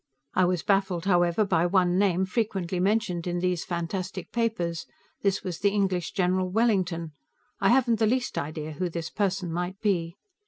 I was baffled, however, by one name, frequently mentioned in those fantastic papers. This was the English general, Wellington. I haven't the least idea who this person might be.